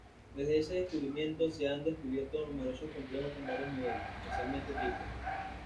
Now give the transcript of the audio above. Desde ese descubrimiento, se han descubierto numerosos complejos con varios niveles, especialmente triples.